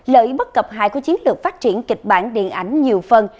lợi ích bất cập hại của chiến lược phát triển kịch bản điện ảnh nhiều phần